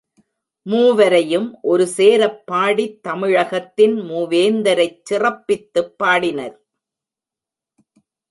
மூவரையும் ஒரு சேரப் பாடித் தமிழகத்தின் மூவேந்தரைச் சிறப்பித்துப் பாடினர்.